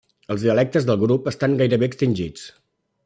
Els dialectes del grup estan gairebé extingits.